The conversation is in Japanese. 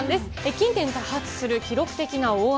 近年多発する記録的な大雨。